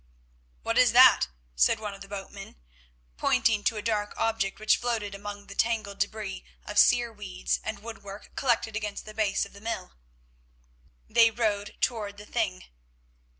"What is that?" said one of the boatmen, pointing to a dark object which floated among the tangled debris of sere weeds and woodwork collected against the base of the mill. They rowed to the thing.